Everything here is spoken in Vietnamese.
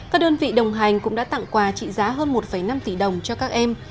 các đơn vị đồng hành cũng đã tặng quà trị giá hơn một năm tỷ đồng cho các em